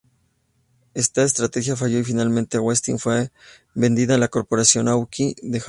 Esta estrategia falló y finalmente Westin fue vendida a la Corporación Aoki de Japón.